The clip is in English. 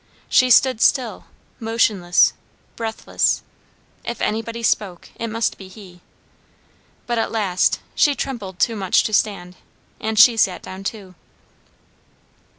She stood still, motionless, breathless. If anybody spoke, it must be he. But at last she trembled too much to stand, and she sat down too.